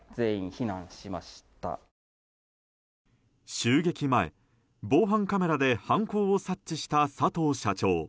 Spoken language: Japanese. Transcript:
襲撃前、防犯カメラで犯行を察知した佐藤社長。